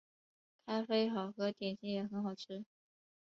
咖啡好喝，点心也很好吃